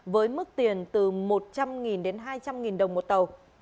với mức tiền từ một trăm linh đến hai trăm linh đồng một tàu